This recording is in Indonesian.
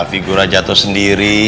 figura jatuh sendiri